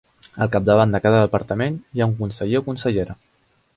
Al capdavant de cada departament hi ha un conseller o consellera.